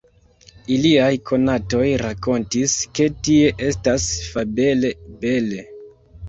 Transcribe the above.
Iliaj konatoj rakontis, ke tie estas fabele bele.